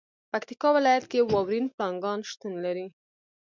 پکتیکا ولایت کې واورین پړانګان شتون لري.